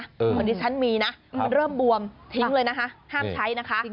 เหมือนที่ฉันมีนะมันเริ่มบวมทิ้งเลยนะคะห้ามใช้นะคะ